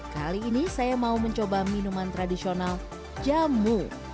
kali ini saya mau mencoba minuman tradisional jamu